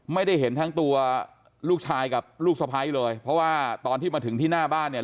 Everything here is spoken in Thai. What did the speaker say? ไม่ได้เห็นทั้งตัวลูกชายกับลูกสะพ้ายเลยเพราะว่าตอนที่มาถึงที่หน้าบ้านเนี่ย